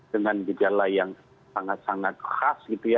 dengan gejala yang sangat sangat khas gitu ya